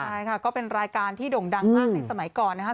ใช่ค่ะก็เป็นรายการที่โด่งดังมากในสมัยก่อนนะคะ